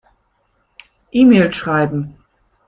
E-Mail schreiben.